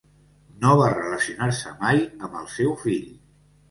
No va relacionar-se mai amb el seu fill.